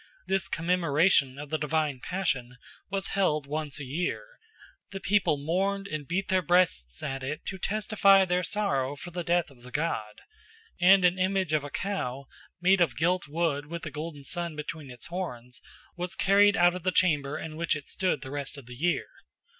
This commemoration of the divine passion was held once a year: the people mourned and beat their breasts at it to testify their sorrow for the death of the god; and an image of a cow, made of gilt wood with a golden sun between its horns, was carried out of the chamber in which it stood the rest of the year.